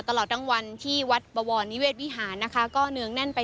ตลอดทั้งวันที่วัดบวรนิเวศวิหารนะคะก็เนืองแน่นไป